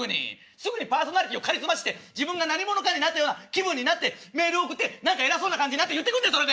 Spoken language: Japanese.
すぐにパーソナリティーをカリスマ視して自分が何者かになったような気分になってメール送って何か偉そうな感じになって言ってくんだそれで。